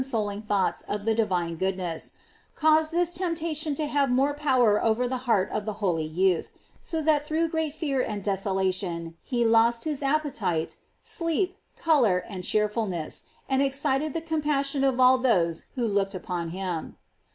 soling thoughts of the divine goodness, caused this temptation to have more power over the heart of the holy youth; so that through great fear and desolation he lost his appetite, sleep, color, and cheerfulness, and excited the com passion of all those who looked upon him.